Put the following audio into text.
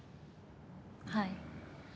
はい。